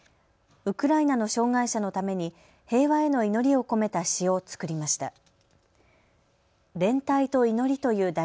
ウクライナの障害者のために平和への祈りを込めた詩を作りました。